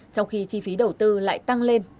trong khi chi phí đầu tư lại tăng lên